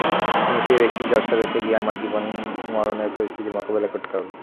তুমি সেই ব্যক্তি, যার সাথে থেকেই আমার জীবন-মরণ পরিস্থিতির মোকাবেলা করতে হবে।